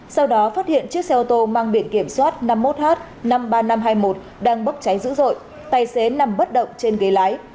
sau đó phát hiện chiếc xe ô tô mang biển kiểm soát năm mươi một h năm mươi ba nghìn năm trăm hai mươi một đang bốc cháy dữ dội tài xế nằm bất động trên ghế lái